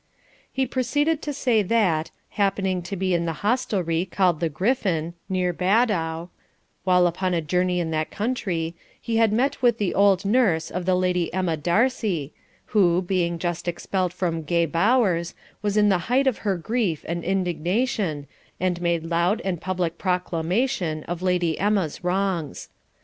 He proceeded to say that, happening to be in the hostelry called the Griffin, near Baddow, while upon a journey in that country, he had met with the old nurse of the Lady Emma Darcy, who, being just expelled from Gay Bowers, was in the height of her grief and indignation, and made loud and public proclamation of Lady Emma's wrongs.